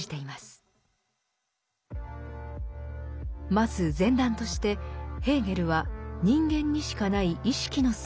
まず前段としてヘーゲルは人間にしかない意識の姿を提示します。